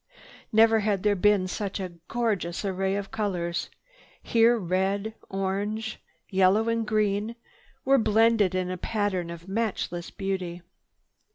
Never had there been such a gorgeous array of colors. Here red, orange, yellow and green were blended in a pattern of matchless beauty.